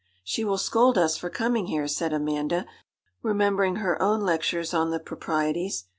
'She will scold us for coming here,' said Amanda, remembering her own lectures on the proprieties.